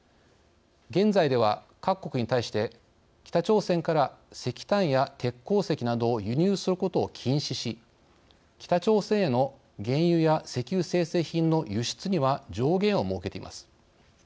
現在では、各国に対して北朝鮮から石炭や鉄鉱石などを輸入することを禁止し北朝鮮への原油や石油精製品の輸出には上限を設けています。